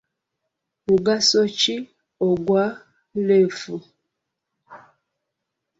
Mugaso ki ogwa leefu?